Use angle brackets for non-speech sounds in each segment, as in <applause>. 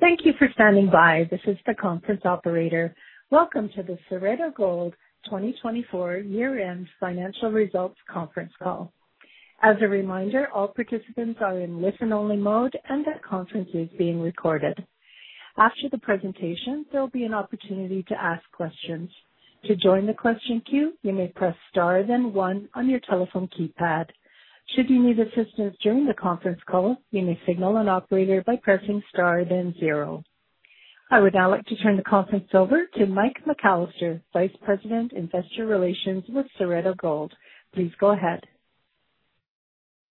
Thank you for standing by. This is the conference operator. Welcome to the Cerrado Gold 2024 year-end financial results conference call. As a reminder, all participants are in listen-only mode, and the conference is being recorded. After the presentation, there will be an opportunity to ask questions. To join the question queue, you may press star then one on your telephone keypad. Should you need assistance during the conference call, you may signal an operator by pressing star then zero. I would now like to turn the conference over to Mike McAllister, Vice President, Investor Relations with Cerrado Gold. Please go ahead.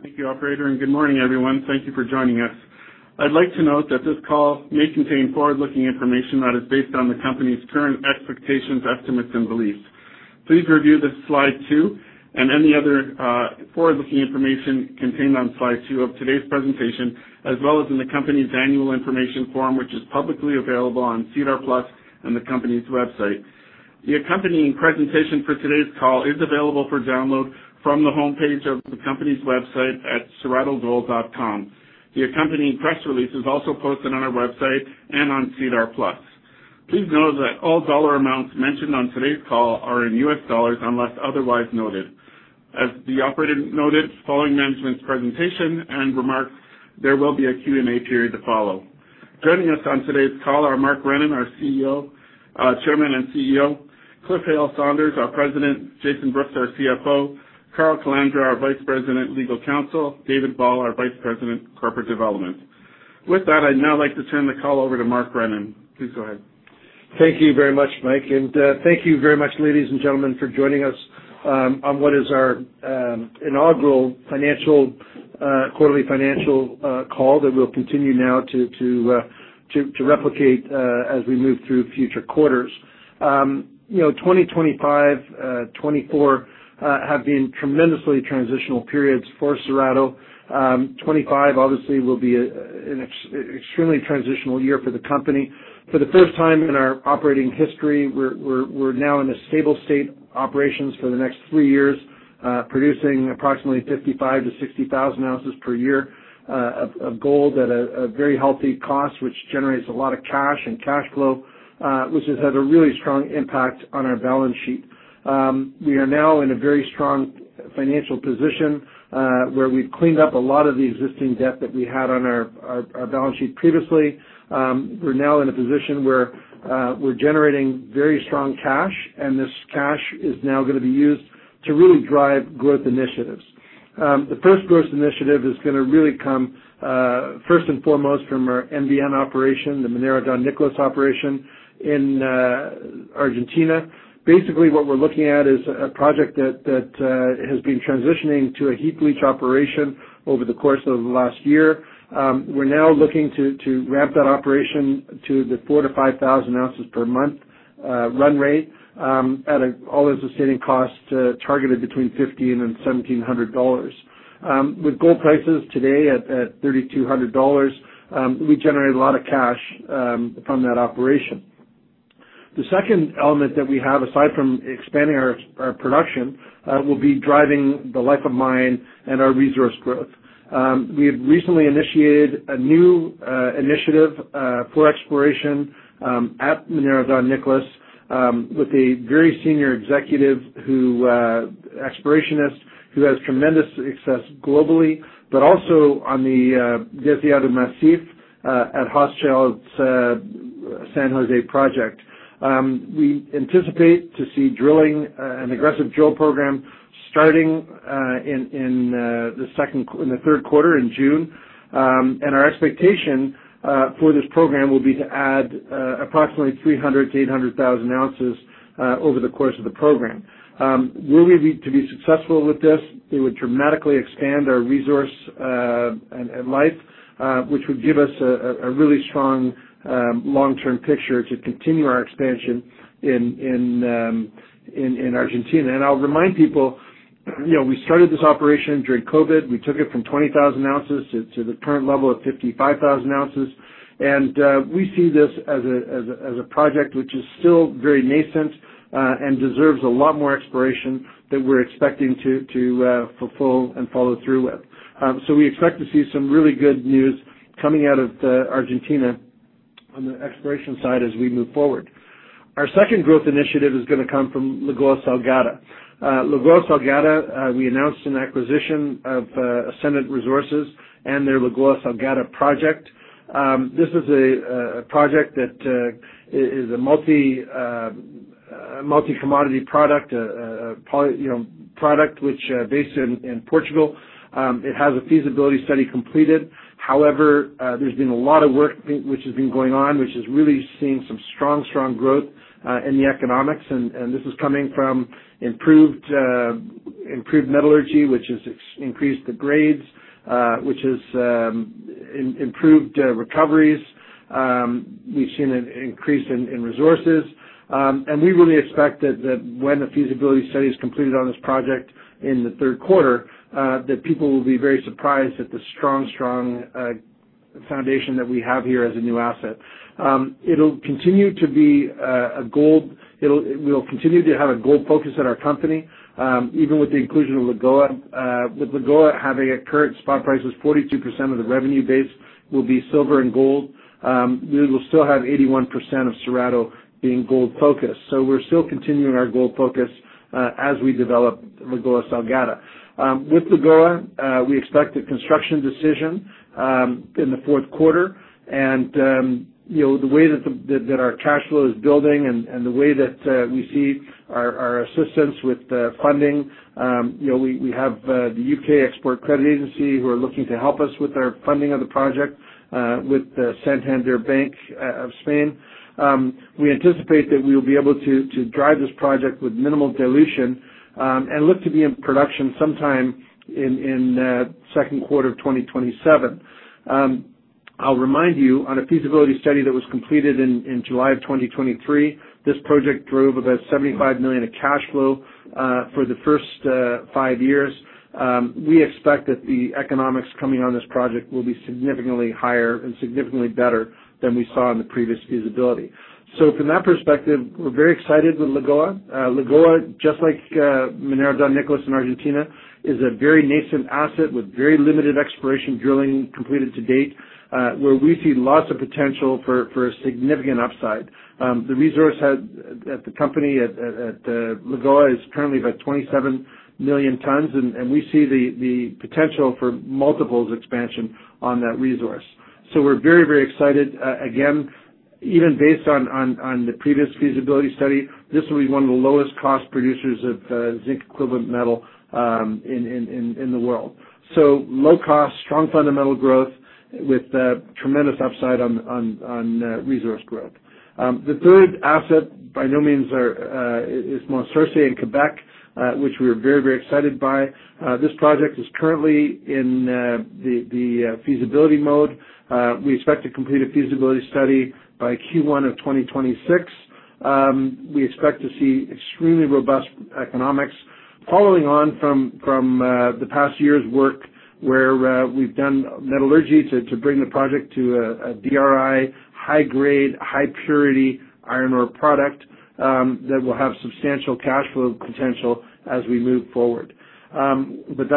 Thank you, Operator, and good morning, everyone. Thank you for joining us. I'd like to note that this call may contain forward-looking information that is based on the company's current expectations, estimates, and beliefs. Please review this slide two and any other forward-looking information contained on slide two of today's presentation, as well as in the company's Annual Information Form, which is publicly available on SEDAR+ and the company's website. The accompanying presentation for today's call is available for download from the homepage of the company's website at cerradogold.com. The accompanying press release is also posted on our website and on SEDAR+. Please note that all dollar amounts mentioned on today's call are in US dollars unless otherwise noted. As the operator noted, following management's presentation and remarks, there will be a Q&A period to follow. Joining us on today's call are Mark Brennan, our CEO, Chairman and CEO, Cliff Hale-Sanders, our President, Jason Brooks, our CFO, Carl Calandra, our Vice President, Legal Counsel, David Ball, our Vice President, Corporate Development. With that, I'd now like to turn the call over to Mark Brennan. Please go ahead. Thank you very much, Mike, and thank you very much, ladies and gentlemen, for joining us on what is our inaugural quarterly financial call that we'll continue now to replicate as we move through future quarters. 2025, 2024 have been tremendously transitional periods for Cerrado. 2025, obviously, will be an extremely transitional year for the company. For the first time in our operating history, we're now in a stable state of operations for the next three years, producing approximately 55,000-60,000 ounces per year of gold at a very healthy cost, which generates a lot of cash and cash flow, which has had a really strong impact on our balance sheet. We are now in a very strong financial position where we've cleaned up a lot of the existing debt that we had on our balance sheet previously. We're now in a position where we're generating very strong cash, and this cash is now going to be used to really drive growth initiatives. The first growth initiative is going to really come first and foremost from our MDN operation, the Minera Don Nicolás operation in Argentina. Basically, what we're looking at is a project that has been transitioning to a heap leach operation over the course of the last year. We're now looking to ramp that operation to the 4,000-5,000 ounces per month run rate at an all-in sustaining cost targeted between $1,500 and $1,700. With gold prices today at $3,200, we generate a lot of cash from that operation. The second element that we have, aside from expanding our production, will be driving the life of mine and our resource growth. We have recently initiated a new initiative for exploration at Minera Don Nicolás with a very senior executive explorationist who has tremendous success globally, but also on the Deseado Massif at San José project. We anticipate to see drilling, an aggressive drill program starting in the third quarter in June, and our expectation for this program will be to add approximately 300,000-800,000 ounces over the course of the program. Will we be to be successful with this? It would dramatically expand our resource life, which would give us a really strong long-term picture to continue our expansion in Argentina. I'll remind people, we started this operation during COVID. We took it from 20,000 ounces to the current level of 55,000 ounces, and we see this as a project which is still very nascent and deserves a lot more exploration that we're expecting to fulfill and follow through with. So we expect to see some really good news coming out of Argentina on the exploration side as we move forward. Our second growth initiative is going to come from Lagoa Salgada. Lagoa Salgada, we announced an acquisition of Ascendant Resources and their Lagoa Salgada project. This is a project that is a multi-commodity product, a product which is based in Portugal. It has a feasibility study completed. However, there's been a lot of work which has been going on, which is really seeing some strong, strong growth in the economics, and this is coming from improved metallurgy, which has increased the grades, which has improved recoveries. We've seen an increase in resources, and we really expect that when the feasibility study is completed on this project in the third quarter, that people will be very surprised at the strong, strong foundation that we have here as a new asset. It'll continue to be a gold. We'll continue to have a gold focus at our company, even with the inclusion of Lagoa. With Lagoa having a current spot price of 42% of the revenue base, we'll be silver and gold. We will still have 81% of Cerrado being gold focused. So we're still continuing our gold focus as we develop Lagoa Salgada. With Lagoa, we expect a construction decision in the fourth quarter, and the way that our cash flow is building and the way that we see our assistance with funding, we have the UK Export Finance who are looking to help us with our funding of the project with Santander Bank of Spain. We anticipate that we will be able to drive this project with minimal dilution and look to be in production sometime in the second quarter of 2027. I'll remind you, on a feasibility study that was completed in July of 2023, this project drove about $75 million in cash flow for the first five years. We expect that the economics coming on this project will be significantly higher and significantly better than we saw in the previous feasibility. So from that perspective, we're very excited with Lagoa. Lagoa, just like Minera Don Nicolás in Argentina, is a very nascent asset with very limited exploration drilling completed to date, where we see lots of potential for a significant upside. The resource at the company at Lagoa is currently about 27 million tons, and we see the potential for multiples expansion on that resource, so we're very, very excited. Again, even based on the previous feasibility study, this will be one of the lowest cost producers of zinc-equivalent metal in the world, so low cost, strong fundamental growth with tremendous upside on resource growth. The third asset, by no means, is Mont Sorcier in Quebec, which we are very, very excited by. This project is currently in the feasibility mode. We expect to complete a feasibility study by Q1 of 2026. We expect to see extremely robust economics following on from the past year's work where we've done metallurgy to bring the project to a DRI, high-grade, high-purity iron ore product that will have substantial cash flow potential as we move forward. But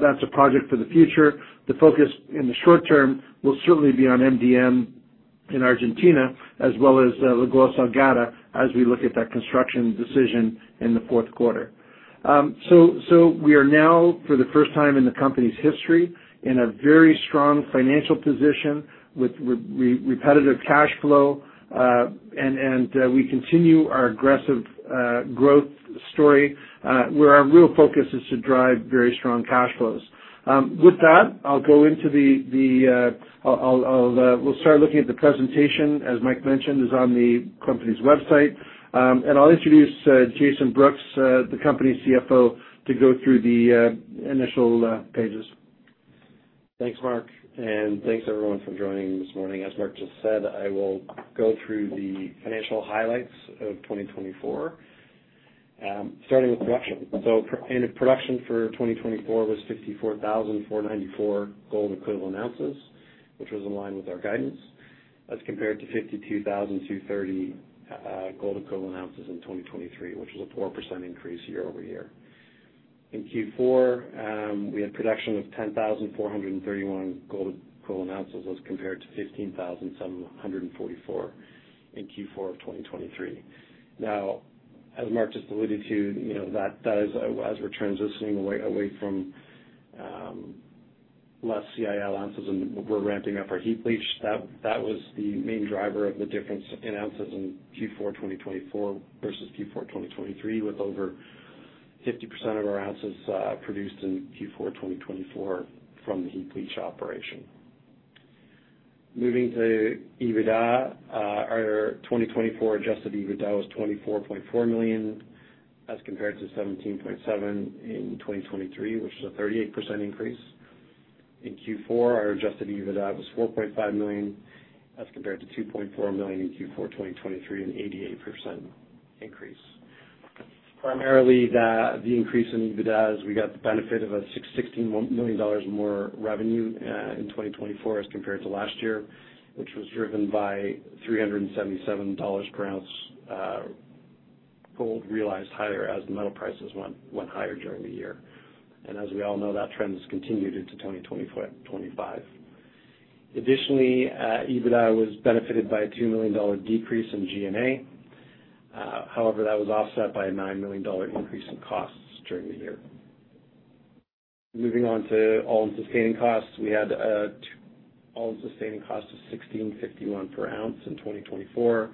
that's a project for the future. The focus in the short term will certainly be on MDN in Argentina as well as Lagoa Salgada as we look at that construction decision in the fourth quarter. So we are now, for the first time in the company's history, in a very strong financial position with repetitive cash flow, and we continue our aggressive growth story where our real focus is to drive very strong cash flows. With that, we'll start looking at the presentation, as Mike mentioned, which is on the company's website, and I'll introduce Jason Brooks, the company's CFO, to go through the initial pages. Thanks, Mark, and thanks everyone for joining this morning. As Mark just said, I will go through the financial highlights of 2024, starting with production. In production for 2024 was 54,494 gold-equivalent ounces, which was in line with our guidance, as compared to 52,230 gold-equivalent ounces in 2023, which was a 4% increase year over year. In Q4, we had production of 10,431 gold-equivalent ounces as compared to 15,744 in Q4 of 2023. Now, as Mark just alluded to, as we're transitioning away from less CIL ounces and we're ramping up our heap leach, that was the main driver of the difference in ounces in Q4 2024 versus Q4 2023, with over 50% of our ounces produced in Q4 2024 from the heap leach operation. Moving to EBITDA, our 2024 adjusted EBITDA was $24.4 million as compared to $17.7 million in 2023, which is a 38% increase. In Q4, our adjusted EBITDA was $4.5 million as compared to $2.4 million in Q4 2023, an 88% increase. Primarily, the increase in EBITDA is we got the benefit of a $61 million more revenue in 2024 as compared to last year, which was driven by $377 per ounce gold realized higher as the metal prices went higher during the year. And as we all know, that trend has continued into 2024 and 2025. Additionally, EBITDA was benefited by a $2 million decrease in G&A. However, that was offset by a $9 million increase in costs during the year. Moving on to all-in sustaining costs, we had an all-in sustaining cost of 1,651 per ounce in 2024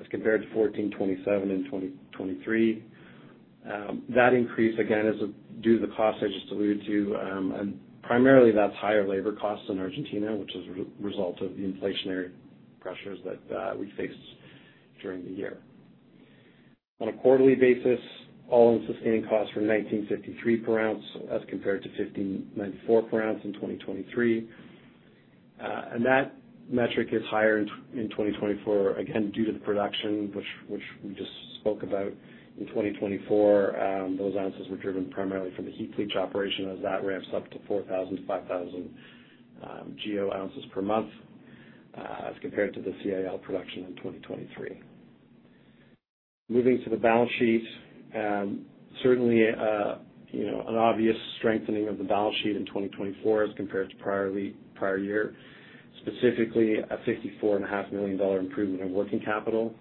as compared to 1,427 in 2023. That increase, again, is due to the cost I just alluded to, and primarily that's higher labor costs in Argentina, which is a result of the inflationary pressures that we faced during the year. On a quarterly basis, all-in sustaining costs were 1,953 per ounce as compared to 1,594 per ounce in 2023. That metric is higher in 2024, again, due to the production, which we just spoke about in 2024. Those ounces were driven primarily from the heap leach operation as that ramps up to 4,000-5,000 gold ounces per month as compared to the CIL production in 2023. Moving to the balance sheet, certainly an obvious strengthening of the balance sheet in 2024 as compared to prior year, specifically a $54.5 million improvement in working capital.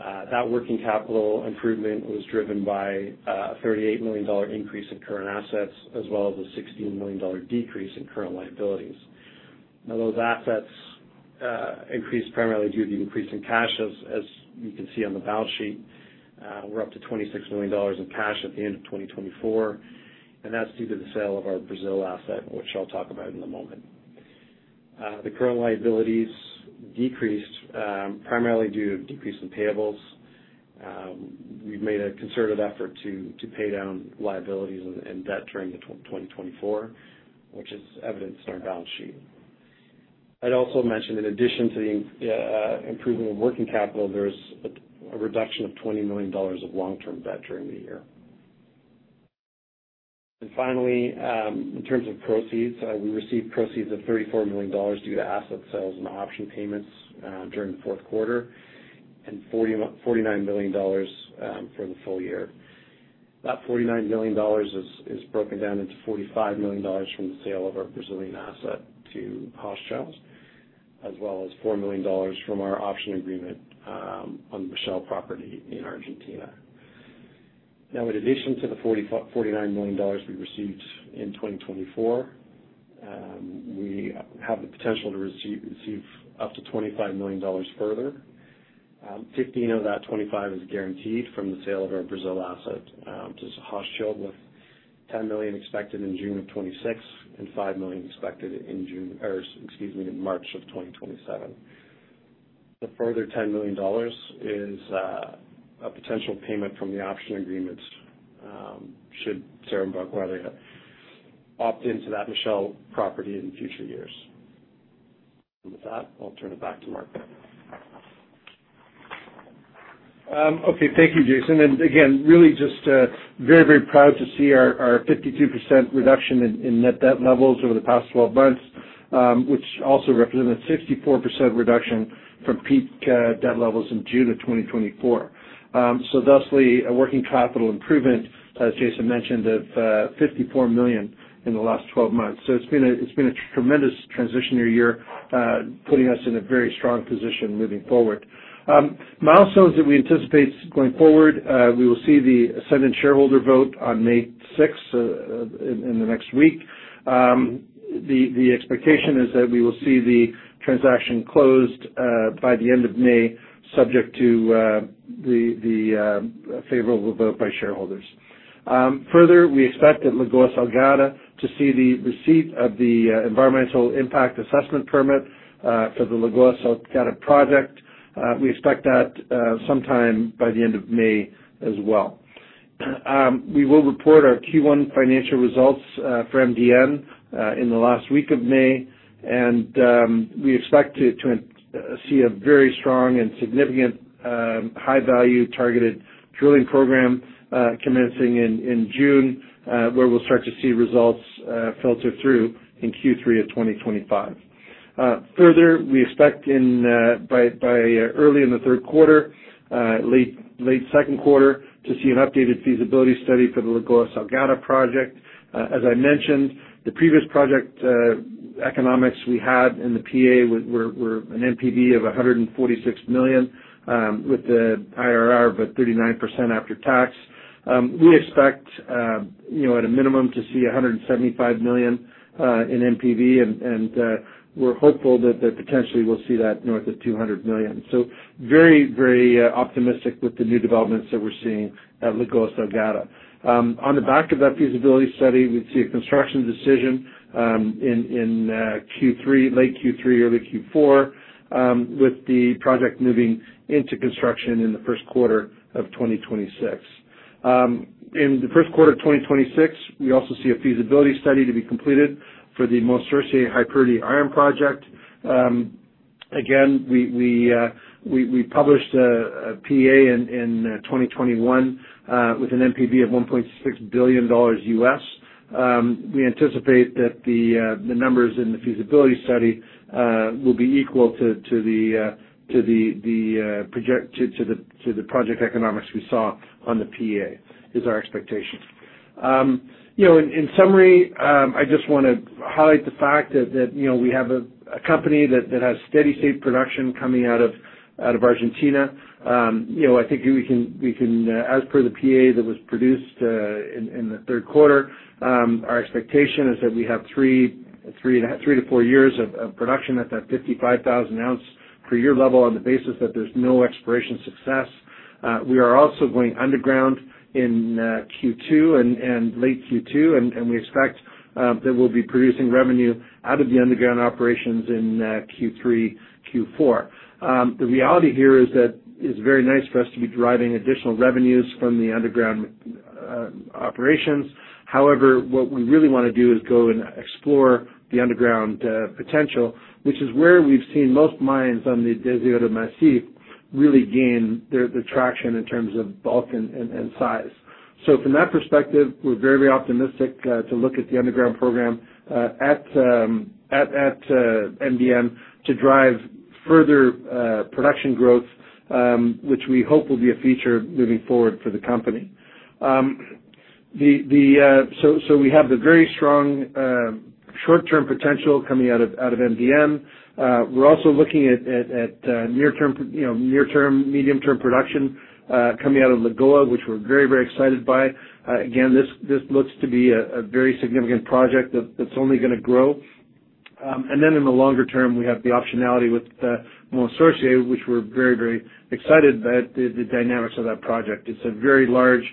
That working capital improvement was driven by a $38 million increase in current assets as well as a $16 million decrease in current liabilities. Now, those assets increased primarily due to the increase in cash, as you can see on the balance sheet. We're up to $26 million in cash at the end of 2024, and that's due to the sale of our Brazil asset, which I'll talk about in a moment. The current liabilities decreased primarily due to a decrease in payables. We've made a concerted effort to pay down liabilities and debt during 2024, which is evidenced in our balance sheet. I'd also mention, in addition to the improvement of working capital, there is a reduction of $20 million of long-term debt during the year. Finally, in terms of proceeds, we received proceeds of $34 million due to asset sales and option payments during the fourth quarter and $49 million for the full year. That $49 million is broken down into $45 million from the sale of our Brazilian asset to Hochschild, as well as $4 million from our option agreement on the Michelle property in Argentina. Now, in addition to the $49 million we received in 2024, we have the potential to receive up to $25 million further. $15 million of that $25 million is guaranteed from the sale of our Brazilian asset to Hochschild, with $10 million expected in June of 2026 and $5 million expected in June or, excuse me, in March of 2027. The further $10 million is a potential payment from the option agreements should Cerrado Gold <inaudible> opt into that Michelle property in future years. With that, I'll turn it back to Mark. Okay, thank you, Jason, and again, really just very, very proud to see our 52% reduction in net debt levels over the past 12 months, which also represents a 64% reduction from peak debt levels in June of 2024. Thusly, a working capital improvement, as Jason mentioned, of $54 million in the last 12 months. It's been a tremendous transition year here, putting us in a very strong position moving forward. Milestones that we anticipate going forward, we will see the Ascendant shareholder vote on May 6th in the next week. The expectation is that we will see the transaction closed by the end of May, subject to the favorable vote by shareholders. Further, we expect at Lagoa Salgada to see the receipt of the environmental impact assessment permit for the Lagoa Salgada project. We expect that sometime by the end of May as well. We will report our Q1 financial results for MDN in the last week of May, and we expect to see a very strong and significant high-value targeted drilling program commencing in June, where we'll start to see results filter through in Q3 of 2025. Further, we expect by early in the third quarter, late second quarter, to see an updated feasibility study for the Lagoa Salgada project. As I mentioned, the previous project economics we had in the PEA were an NPV of $146 million with the IRR of about 39% after tax. We expect, at a minimum, to see $175 million in NPV, and we're hopeful that potentially we'll see that north of $200 million. So very, very optimistic with the new developments that we're seeing at Lagoa Salgada. On the back of that feasibility study, we'd see a construction decision in late Q3, early Q4, with the project moving into construction in the first quarter of 2026. In the first quarter of 2026, we also see a feasibility study to be completed for the Mont Sorcier high-purity iron project. Again, we published a PEA in 2021 with an NPV of $1.6 billion. We anticipate that the numbers in the feasibility study will be equal to the project economics we saw on the PEA, is our expectation. In summary, I just want to highlight the fact that we have a company that has steady, safe production coming out of Argentina. I think we can, as per the PEA that was produced in the third quarter, our expectation is that we have three to four years of production at that 55,000-ounce per year level on the basis that there's no exploration success. We are also going underground in Q2 and late Q2, and we expect that we'll be producing revenue out of the underground operations in Q3, Q4. The reality here is that it's very nice for us to be deriving additional revenues from the underground operations. However, what we really want to do is go and explore the underground potential, which is where we've seen most mines on the Deseado Massif really gain the traction in terms of bulk and size. From that perspective, we're very, very optimistic to look at the underground program at MDN to drive further production growth, which we hope will be a feature moving forward for the company. We have the very strong short-term potential coming out of MDN. We're also looking at near-term, medium-term production coming out of Lagoa, which we're very, very excited by. Again, this looks to be a very significant project that's only going to grow. In the longer term, we have the optionality with Mont Sorcier, which we're very, very excited about the dynamics of that project. It's a very large,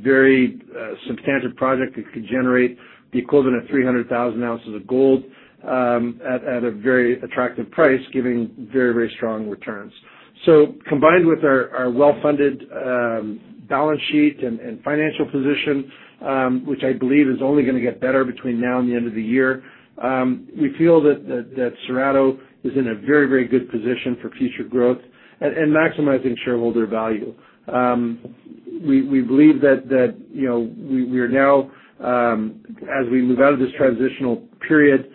very substantive project. It could generate the equivalent of 300,000 ounces of gold at a very attractive price, giving very, very strong returns. Combined with our well-funded balance sheet and financial position, which I believe is only going to get better between now and the end of the year, we feel that Cerrado is in a very, very good position for future growth and maximizing shareholder value. We believe that we are now, as we move out of this transitional period,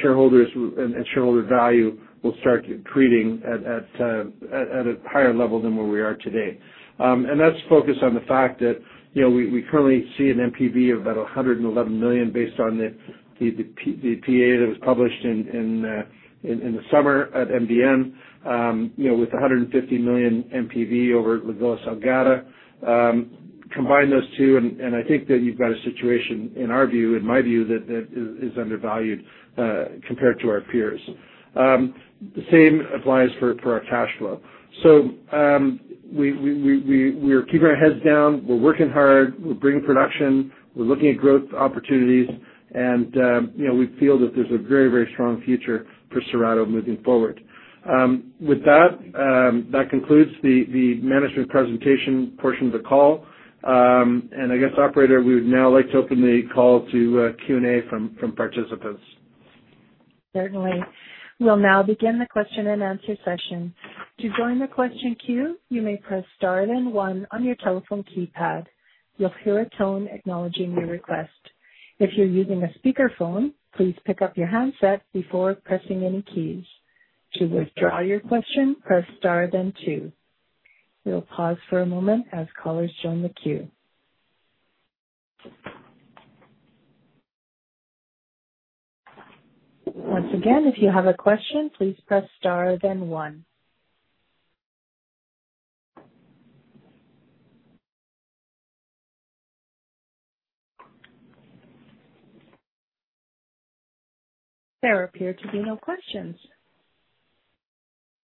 shareholders and shareholder value will start creating at a higher level than where we are today. And that's focused on the fact that we currently see an NPV of about $111 million based on the PEA that was published in the summer at MDN with $150 million NPV over Lagoa Salgada. Combine those two, and I think that you've got a situation, in our view, in my view, that is undervalued compared to our peers. The same applies for our cash flow. We're keeping our heads down. We're working hard. We're bringing production. We're looking at growth opportunities, and we feel that there's a very, very strong future for Cerrado moving forward. With that, that concludes the management presentation portion of the call. And I guess, Operator, we would now like to open the call to Q&A from participants. Certainly. We'll now begin the question and answer session. To join the question queue, you may press star then one on your telephone keypad. You'll hear a tone acknowledging your request. If you're using a speakerphone, please pick up your handset before pressing any keys. To withdraw your question, press star then two. We'll pause for a moment as callers join the queue. Once again, if you have a question, please press star then one. There appear to be no questions.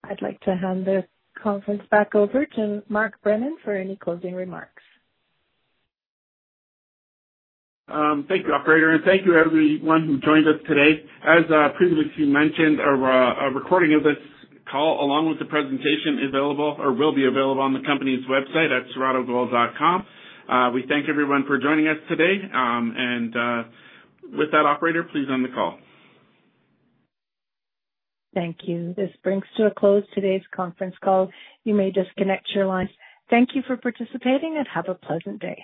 I'd like to hand the conference back over to Mark Brennan for any closing remarks. Thank you, Operator, and thank you to everyone who joined us today. As previously mentioned, a recording of this call along with the presentation is available or will be available on the company's website at cerradogold.com. We thank everyone for joining us today, and with that, Operator, please end the call. Thank you. This brings to a close today's conference call. You may disconnect your lines. Thank you for participating and have a pleasant day.